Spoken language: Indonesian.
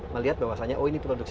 melihat bahwasannya oh ini produksi